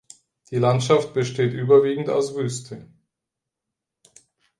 Die Landschaft besteht überwiegend aus Wüste.